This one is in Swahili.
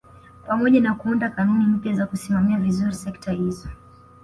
Pamoja na kuunda kanuni mpya za kusimamia vizuri sekta hizo